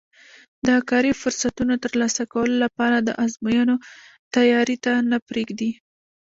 د کاري فرصتونو ترلاسه کولو لپاره د ازموینو تیاري ته نه پرېږدي